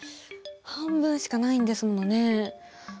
半分しかないんですもんね。